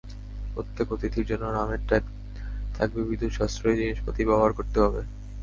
প্রত্যক অতিথির জন্য নামের ট্যাগ থাকবে বিদ্যুৎ সাশ্রয়ী জিনিসপাতি ব্যবহার করতে হবে।